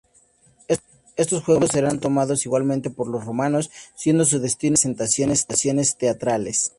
Estos juegos serán tomados igualmente por los romanos, siendo su destino las representaciones teatrales.